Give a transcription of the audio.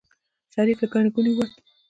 شريف له ګڼې ګوڼې ووت.